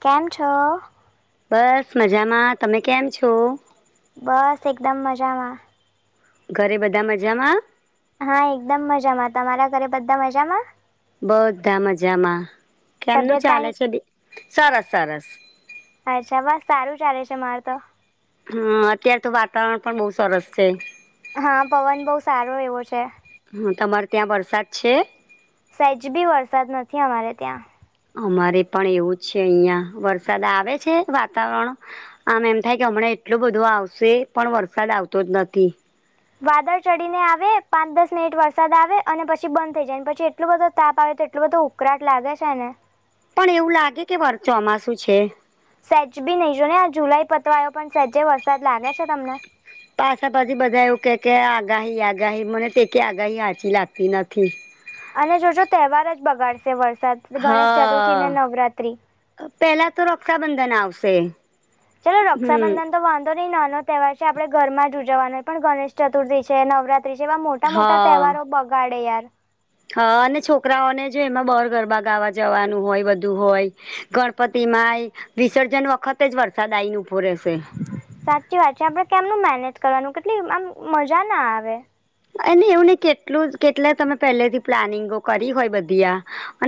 કેમ છો? બસ મજામાં. તમે કેમ છો? બસ એકદમ મજામાં. ઘરે બધા મજામાં? હા એકદમ મજામાં. તમારા ઘરે બધા મજામાં? બધા મજામાં. કેમનું તબિયત ચાલે પાણી છે બે? સરસ-સરસ. અચ્છા. બસ સારું ચાલે છે મારે તો. હા. અત્યારે તો વાતાવરણ પણ બહુ સરસ છે. હા પવન બહુ સારો એવો છે. હા. તમારે ત્યાં વરસાદ છે? સહેજ બી વરસાદ નથી અમારે ત્યાં. અમારે પણ એવું જ છે અહિયાં. વરસાદ આવે છે. વાતાવરણ આમ એમ થાય કે હમણાં એટલું બધો આવશે, પણ વરસાદ આવતો જ નથી. વાદળ ચડીને આવે, પાંચ-દસ મિનિટ વરસાદ આવે. અને પછી બંધ થઈ જાય. ને પછી એટલો બધો તાપ આવે તો, એટું બધો ઉકળાટ લાગે છે ને. પણ એવું લાગે કે વ ચોમાસું છે. સેજ બી નહી જો ને, આ જુલાઈ પતી આવ્યો, પણ સહેજે વરસાદ લાગે છે તમને. પાછા પાછી બધા એવું કે, કે આગાહી-આગાહી મને તેકી આગાહી હચી લાગતી નથી. અને જોજો તહેવાર જ બગાડશે વરસાદ, ગણેશ ચતુર્થી હા ને, નવરાત્રી. પેલા તો રક્ષાબંધન આવશે. ચાલો હમ રક્ષાબંધન તો વાંધો નહીં, નાનો તહેવાર છે, આપણેે ઘરમાં જ ઉજવવાનો પણ ગણેશ ચતુર્થી છે, નવરાત્રી ત્રી જેવા મોટા-મોટા તહેવારો બગાડે યાર. હ, અને છોકરાઓને જો એમાં બહાર ગરબા ગાવા જવાનું હોય, બધું હોય, ગણપતિમાંય. વિસર્જન વખતે જ વરસાદ આ આવીને ઊભો રહેશે. સાચી વાત છે, આપડે કેમનું મેનેજ કરવાનું, આમ ના આવે. અને એવું ને, કેટલું કેટલા તમે પહેલેથી પ્લાનિંગો કરી હોય બધી.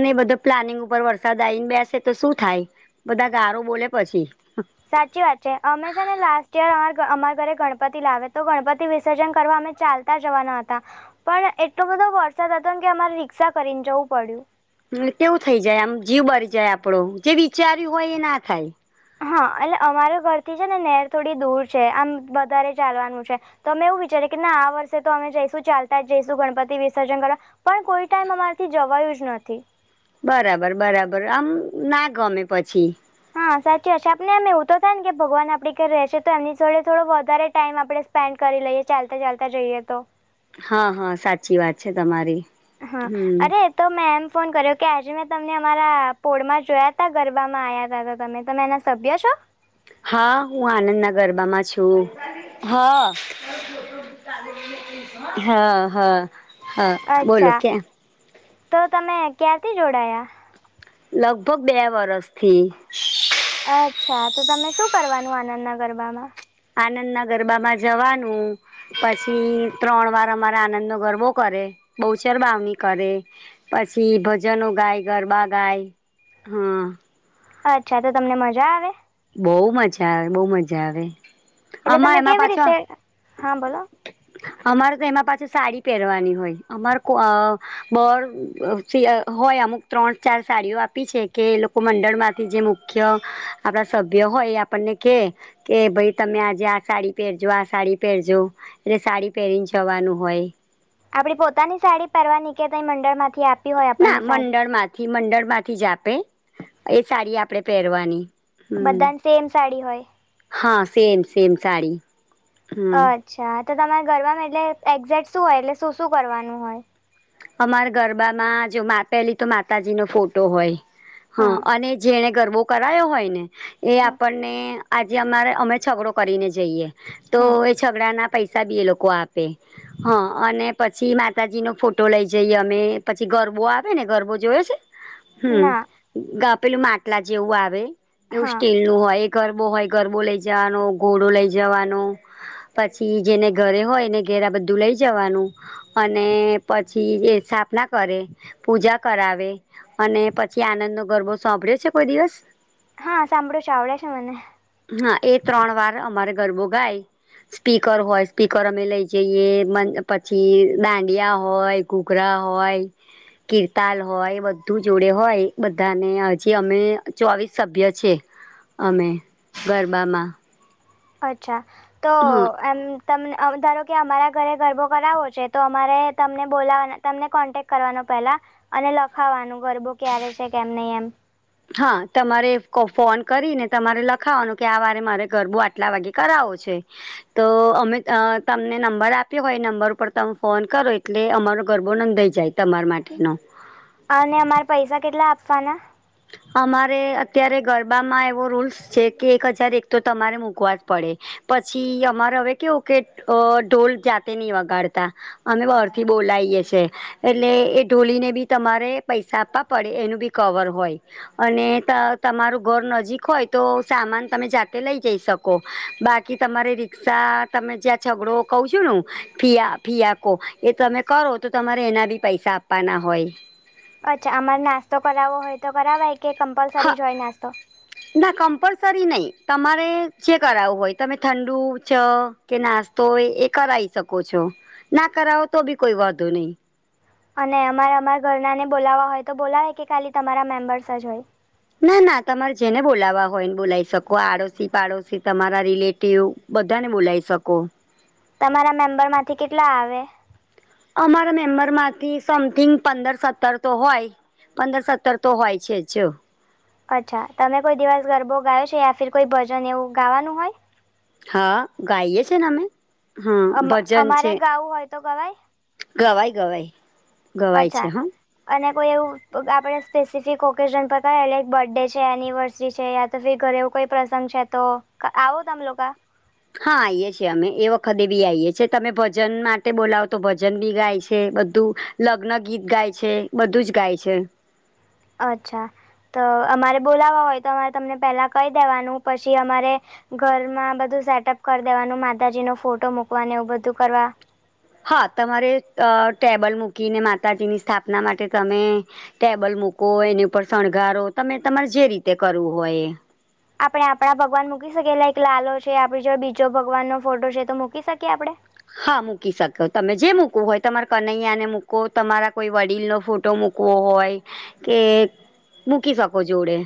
અને બધા પ્લાનિંગ ઉપર વરસાદ આવીને, બેસે તો શું થાય? બધા ગારો બોલે પછી. સાચી વાત છે, અમે છે ને, લાસ્ટ યર અમા અમારા ઘરે ગણપતિ લાવે તો, ગણપતિ વિસર્જન કરવા, અમે ચાલ. તા જવાના હતા, પણ એટલો બધો વરસાદ હતો કે, અમારે રિક્ષા કરીને જવું પડ્યું. કેવું થઇ જાય, આમ જીવ બરી જાય, આપડો જે વિચાર્યું હોય એ ના થાય. હા, એટલે અમારે ઘરથી છે ને, નહેર થોડી દૂર છે આમ છે. તો અમે એવું વિચારીએ કે, ના આ વર્ષે તો અમે જઈશું, ચાલતા જઈશું, ગણપતિ વિસર્જન કરવા. પણ કોઈ ટાઈમ અમારેથી જવાયું જ નથી. બરાબર, બરાબર, આમ ના ગમે પછી. હા, સાચી હ છે, આપને એમ એવું તો થાય ને કે, ભગવાન આપડી ઘર રહેશે તો, એમની જોડે થોડો વધારે ટાઈમ આપણે સ્પેન્ડ કરી લઈએ, ચાલતા-ચાલતા જઈએ તો. હા, હા, સાચી વાત છે તમારી. હા, હમ અરે. તો મેં એમ ફોન કર્યો કે, આજે મેં તમને અમારા પોળમાં જોયા તો, ગરબામાં આવ્યા તો તમે તો. સભ્ય છો? હા, હું આનંદના ગરબામાં છું હા. હ, હ. અચ્છા, તો તમે ક્યાંથી જોડાયા? લગભગ બે વર્ષથી. અચ્છા, તો તમે શું કરવાનું? આનંદના ગરબામાં? આનંદના ગરબામાં જવાનું. પછી ત્રણ વાર અમારા આનંદનો ગરબો કરે, બહુ ચરબાવણી કરે. પછી ભજનો ગાય, ગરબા ગાય, હમ્મ. અચ્છા, તો તમને મજા આવે? બો મજા આવે, બો મજા આવે. એટલે આમાં તમે એમાં કેવી પાછો રીતે હા, બોલો. અમારે તો એમાં પાછી સાડી પહેરવાની હોય, અમારે કો બ હોય અમુક ત્રણ ચાર સાડીઓ આપી છે કે, એ લોકો મંડળ માંથી જે મુખ્ય આપણા સભ્ય હોય, એ આપણને કે કે ભાઈ તમે, આજે આ સાડી પેરજો આ સાડી પેરજો. એટલે સાડી પેરીને જવાનું હોય. આપડી સાડી પરવા કેે, તો મંડળ માંથી આપ ના, મંડળમાંથી મંડળમાંથી જ આપે. એ સાડી આપડે પેરવાની હમ. બધાને સેમ સાડી હોય હા, સેમ સેમ સાડી. હમ અચ્છા, તો તમારે ગરબામાં એટલે એક્ઝેક્ટ શું હોય એટલે શું શું કરવાનું હોય? અમારા ગરબામાં જો મા પહેલી તો માતાજી નો ફોટો હોય. હમ્મ હા અને જેને ગરબો કરાયો હોયને. એ હા આપણને આજે અમારે અમે છગડો કરીને જઈએ તો હા છગડાના પૈસા બી એ લોકો આપે હ, અને પછી માતાજીનો ફોટ ટો લઈ જઈએ અમે પછી ગરબો આવે ને ગરબો જોયો છે? હમ. ના ગ પેલું માટલા જેવું આવે એવું હા સ્ટીલનું હોય એક ગરબો હોય ગરબો લઈ જવાનો ધોડો લઈ જવાનો. પછી જેને ઘરે હોય એને ઘરે આ બધું લઈ જવાનું અને પછી એ સ્થાપના કરે. પૂજા કરાવે અને પછી આનંદનો ગરબો સાંભળ્યો છે કોઈ દિવસ? હા, સાંભળ્યો છે. આવડે છે. મને હા, એ ત્રણ વાર અમારે ગરબો ગાય. સ્પીકર હોય, સ્પીકર અમે લઈ જઈએ [unintelligible] પછી દાંડીયા હોય ઘુઘરા હોય, કીતાલ હોય એ બધુ બધું જોડે હોય બધાંને હજી અમે ચોવીસ સભ્ય છે. અમે, ગરબામાં. અચ્છા, તો હા એમ તમને અમ ધારો કે અમારા ઘરે ગરબો કરાવવો છે તો અમારે તમને બોલાવવા તમને કોન્ટેક કરવાનો પહેલાં અને લખાવાનું ગરબો ક્યારે છે કેમ નઈ એમ. હા, તમારે ફોન કરીને તમારે લખાવાનું કે આ વારે મારે ગરબો આટલા વાગે કરાવો છે. તો અમે અ તમને નંબર આપ્યો હોય એ નંબર ઉપર તમે ફોન કરો એટલે અમારો ગરબો નોંધાઈ જાય. તમાર માટેનો. અને અમારે પૈસા કેટલા આપવાના? અમારે અત્યારે ગરબામાં એવો રૂલ્સ છે કે એક હજાર એક તમારે મૂકવાજ પડે. પછી અમારે હવે કેવું કે અ ઢોલ જાતે નહી વગાડતા અમે બહારથી બોલાઈએ છે એટલે એ ઢોલીને બી તમારે પૈસા આપવા પડે એનું બી કવર હોય અને ત તમારું ઘર નજીક હોય તો સામાન તમે જાતે લઈ જઈ શક જો બાકી તમારે રિકષા તમે જ્યાં છઘડો કહું છુ ને મુ ફિયા ફિયાકો એ તમે કરો તો તમારે એના બી પૈસા આપાના હોય અચ્છા અમારે નાસ્તો કરાવો હોય તો કરાવાય કે કમ્પલસરી હા જ હોય નાસ્તો ના કમ્પલસરી નહી તમારે જે કરાવું હોય તમે ઠંડુ ચ કે નાસ્તો હોય એ કરાઈ શકો છો ના કરાવો તો બી કોઈ વોધો નઈ અને અમાર અમારા ઘરના ને બોલાવા હોય તો બોલાવે કે ખાલી તમારા મેમ્બર્સ જ હોય ના ના તમારે જેને બોલાવા હોય એન બોલાઈ શકો આડોશી પાડોશી તમારા રિલેટિવ બધાને બોલઈ શકો તમારા મેમ્બર માંથી કેટલા આવે અમારા મેમ્બર માંથી સમથિંગ પંદર સત્તર તો હોય પંદર સત્તર તો હોય છે જ ચો અચ્છા તમે કોઈ દિવસ ગરબો ગાયો છે યા ફિર કોઈ ભજન એવું ગાવાનું હોય હા ગાઈએ છીએન અમે. હ હોય અમ ભજન અમારે છે ગાવું હોય તો ગવાય ગવાય ગવાય. ગવાય છે અચ્છા હો. અને કોઈ એવું આપડે સ્પેસિફિક ઓકેઝન પર થાય લાઇક બર્થડે છે એનિવર્સરી છે. પછી ઘરે એવું કોઈ પ્રસંગ છે તો આવો તમ લોકો? હા આઈએ છીએ અમે એ વખતે બી આઈએ છીએ તમે ભજન માટે બોલાવો તો ભજન બી ગાય છે બધું.. લગ્ન ગીત ગાય છે બધું જ ગાય છે. અચ્છા તો અમારે બોલાવા હોય તો અમારે તમને પહેલા કહી દેવાનું પછી અમારે.. ઘરમાં બધું સેટઅપ કર દેવાનું માતાજી નો ફોટો મૂકવાન એવું બધું કરવા.. હા તમારે ટેબલ અ મૂકીને માતાજીની સ્થાપના માટે તમે.. ટેબલ મૂકો એની ઉપર શણગારો તમે તમારે જે રીતે કરવું હોય એ. આપણે આપણા ભગવાન મૂકી શકીએ એટલે લાઈક લાલો છે આપદી જોડે બીજો ભગવાન નો ફોટો છે તો મૂકી શકીએ આપડે. હા મૂકી શકો તમે જે મૂકવું હોય તમારે કનૈયાને મૂકો તમારા કોઈ વડીલનો ફોટો મૂક -કવો હોય કે મૂકી શકો જોડે.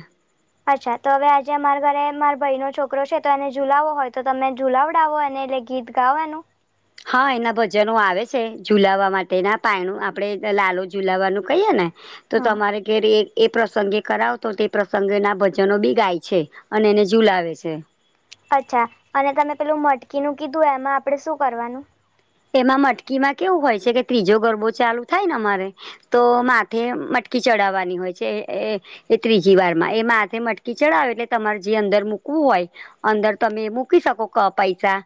અચ્છા તો હવે આજે અમારા ઘરે માર ભાઈ નો છોકરો છે તો એને ઝૂલાવો હોય તો તમે ઝુલાવડાવો અને એટલે ગીત.. ગાવ એનું. હા એના ભજનો આવે છે ઝુલાવા માટેના પાાયણું આપડે લાલો ઝુલાવાનું કહીએ ને.. તો હા તમારે ઘેર એ એ પ્રસંગે કરાવ તો તે પ્રસંગેનાં ભજન બી ગાય છે. અને એને જુલાવે આવે છે. અચ્છા અને તમે પેલું મટકીનું કીધું એમાં આપડે શું કરવાનુ? એમાં મટકીમાં કેવું હોય છે કે ત્રીજો ગરબો ચાલુ થાય ને અમારે.. તો માથે મટકી ચડાવવાની હોય છે એ એ.. એ ત્રીજી વાર માં એ માથે મટકી ચડાવ એટલે તમારે જે અંદર મૂકવું હોય. અંદર તમે મૂકી શકો ક પૈસા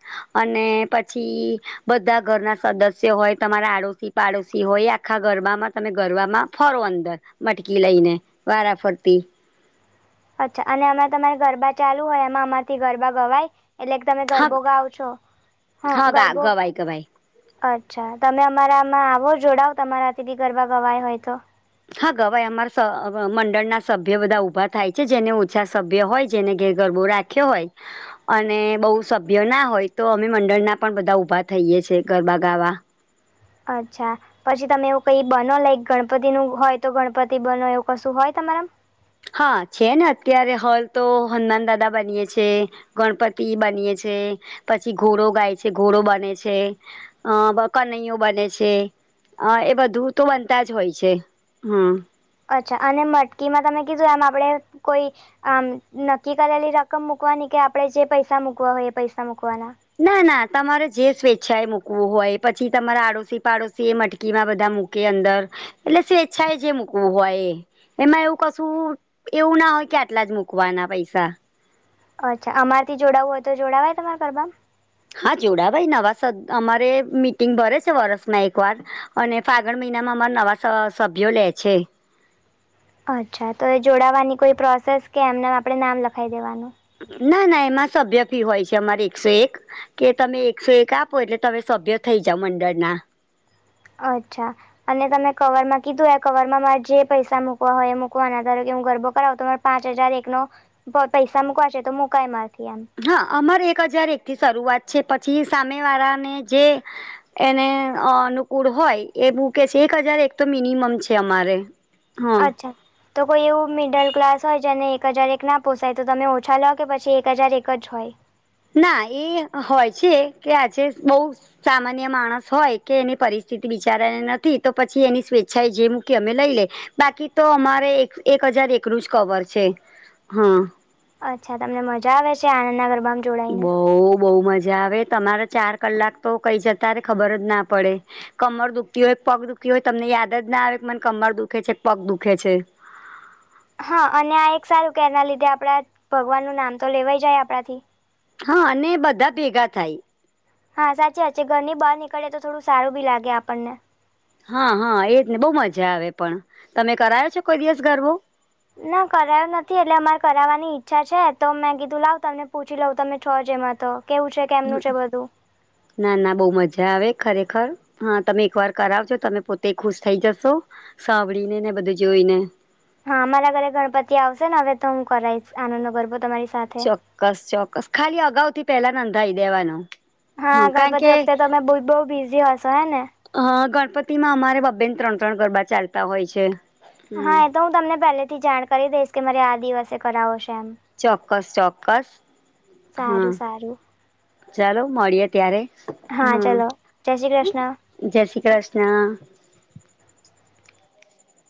અને પછી.. બધા ઘરના સદસ્ય હોય. તમારા આડોશી પાડોશી હોય આખા ગરબામાં તમે ગરબામાં ફરો અંદર મટકી લઈને.. વારાફરતી. અચ્છા અને અમાં તમારે ગરબા ચાલુ હોય એમાં અમારથી ગરબા ગવાય? એટલે તમે હગ ગરબો ગાવ છો હા ગરબો આઈ કબ આઈ અચ્છા તમે અમારામાં આવો જોડાવ તમારાથી બી ગરબા ગવાય હોય તો.. હા ગવાય અમારા મંડળના સભ્ય બધા ઊભા થાય છે જેને ઓછા સભ્ય હોય જેને ગેર ગરબો રાખ -ખયો હોય. અને બઉ સભ્ય ના હોય તો અમે મંડળના પણ બધા ઉભા થઈએ છીએ ગરબા ગાવા. અચ્છા.. પછી તમે એવું કઈ બનો લાઈક ગણપતિ નું હોય તો ગણપતિ બનો એવું કશું હોય તમારામા.. હા છેને અત્યારે હોય તો હનુમાન દાદા બનીએ છીએ. ગણપતિ બનીએ છે પછી ઘોડો ગાય છે ઘોડો બને છે. અ કનૈઓ બને છે. હ એ બધું તો બનતા જ હોય છે હમ. અચ્છા અને મટકીમાં તમે કીધું આમ આપડે કોઈ.. આમ નકી કરેલી રકમ મુકવાની કે આપડણે જે પૈસા મૂકવા હોય એ પૈસા મૂકવાના. ના ના તમારે જે સ્વેચ્છાએ મૂકવું હોય પછી તમારા આડોશી પાડોશી એ મ- -ટકીમાં બધા મૂકે અંદર એટલે સ્વેચ્છાએ જે મૂકવું હોય એ. એમાં એવું કશું એવું ના હોય કે આટલા જ મૂકવાના પૈસા. અચ્છા અમારથી જોડાવું હોય તો જોડાવાય તમારા ગરબા માં? હા જોડાવાય નવા અમારે મિટિંગ ભરે છે વરસમાં એકવાર. અને ફાગણ મહિનામાં અમારા નવા સ સભ્યો લે છે. અચ્છા તો એ જોડાવાની કોઈ પ્રોસેસ કે એમને એમ આપણે નામ લખાવ દેવાનું? ના ના એમાં સભ્ય ફી હોય છે અમારે એકસો એક. કે તમે એકસો એક આપો એટલે તમે સભ્ય થઈ જાઓ મંડળના. અચ્છા અને તમે કવરમાં કીધું એ કવર માં મારે જે પૈસા મૂકવા હોય એ મૂકવાના ધારો કે હું ગરબો કરાવું તો પાંચ હજાર એકનો પૈસા મુકવા છે તો મુકાય મારથી એમ. હા અમારે એક હજાર એકથી શરૂઆત છે પછી સામે વાળાને જે એને અનુકૂળ હોય એ બું કે છે એક હજાર એક તો મિનિમમ છે અમારે. હા અચ્છા. તો કોઈ એવું મિડલ ક્લાસ હોય જેને એક હજાર એક ના પોસાય તો તમે ઓછા લોવ કે પછી એક હજાર એક જ હોય? ના એ હોય છે કે આજે બહુ સામાન્ય માણસ હોય. કે એની પરિસ્થિતિ બિચારાની નથી તો પછી એની સ્વેચ્છાએ જે મૂકી અમે લઈ લે. બાકી તો અમારે એક એક હજાર એકનું જ કવર છે હા. અચ્છા તમને મજા આવે છે આનંદના ગરબામાં? જોડાઈને બહુ બહુ મજા આવે. તમારે ચાર કલાક તો કઈ જતારે ખબર જ ના પડે. કમર દુખતી હોય, પગ દુખતી હોય તમને યાદ જ ના આવે કે મને કમર દુખે છે, પગ દુખે છે. હા અને આ એક સારું કે એના લીધે આપણા ભગવાનનું નામ તો લેવાઈ જાય આપણાથી. હા અને બધા ભેગા થાય. હા સાચી વાત છે. ઘરની બહાર નીકળે તો થોડું સારું ભી લાગે આપણને. હા હા એજ ને બહુ મજા આવે પણ. તમે કરાયો છે કોઈ દિવસ ગરબો? ના કરાયું નથી એટલે અમારે કરાવવાની ઈચ્છા છે તો મેં કીધું લાવ તમને પૂછી લઉં તમે છો જ એમાં તો કેવું છે, કેમનું છે બધું? ના ના બહુ મજા આવે ખરેખર. હા તમે એક વાર કરાવજો તમે પોતે ખુશ થઈ જશો. સાંભળીને ને બધે જોઈને. હા અમારા ઘરે ગણપતિ આવશે ને હવે તો હું કરાઈશ. આનંદનો ગરબો તમારી સાથ ચોક્કસ ચોક્કસ. ખાલી અગાઉથી પેલા નોંધાઈ દેવાનો. હા ગણપતિ વખતે તમે બહુ બિઝી હશો હે ને? હ ગણપતિમાં અમારે બબેન ત્રણ ત્રણ ગરબા ચાલતા હોય છે. હમ. હા એ તો હું તમને પહેલેથી જાણ કરી દઈશ કે મારે આ દિવસે કરાવો છે એમ. ચોક્કસ ચોક્કસ. હા સારું સારું ચાલો મળીએે ત્યારે. હા ચલો. જય શ્રી કૃષ્ણ. જય શ્રી કૃષ્ણ.